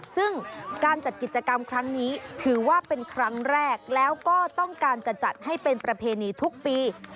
ซึ่งการจัดกิจกรรมครั้งนี้ถือว่าเป็นครั้งแรกแล้วก็ต้องการจะจัดให้เป็นประเพณีทุกปี